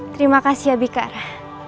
terima kasih abikara